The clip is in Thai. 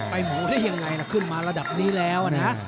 หมูได้ยังไงล่ะขึ้นมาระดับนี้แล้วนะ